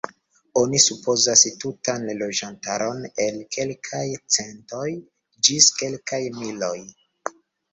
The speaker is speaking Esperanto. Oni supozas tutan loĝantaron el kelkaj centoj ĝis kelkaj miloj.